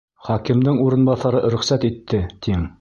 Хакимдың урынбаҫары рөхсәт итте, тиң.